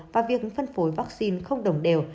và việc phân phối vaccine không đồng đều